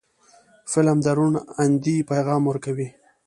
فلم د روڼ اندۍ پیغام ورکوي